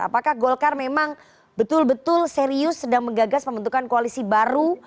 apakah golkar memang betul betul serius sedang menggagas pembentukan koalisi baru